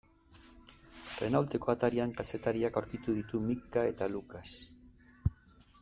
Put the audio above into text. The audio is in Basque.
Renaulteko atarian kazetariak aurkitu ditu Micka eta Lucas.